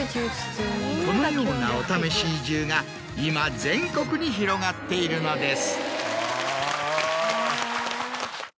このようなお試し移住が今全国に広がっているのです。